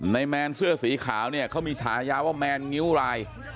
แมนเสื้อสีขาวเนี่ยเขามีฉายาว่าแมนงิ้วราย